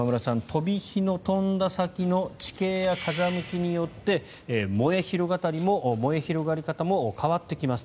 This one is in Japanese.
飛び火の飛んだ先の地形や風向きによって燃え広がり方も変わってきます。